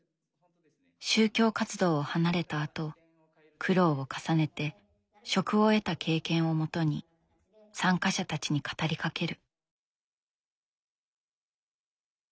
宗教活動を離れたあと苦労を重ねて職を得た経験をもとに参加者たちに語りかける。